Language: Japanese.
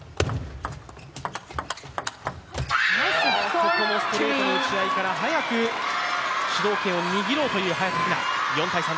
ここもストレートの打ち合いから早く主導権を握ろうという早田ひな。